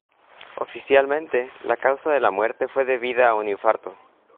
Oficialmente, la causa de la muerte fue debida a un infarto.